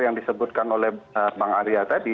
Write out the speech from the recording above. yang disebutkan oleh bang arya tadi